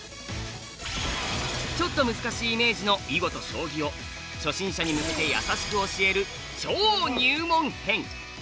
ちょっと難しいイメージの囲碁と将棋を初心者に向けて優しく教える超入門編。